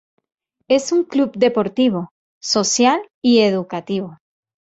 Es un club deportivo, social y educativo.